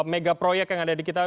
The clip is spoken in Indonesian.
megaproyek yang ada di kita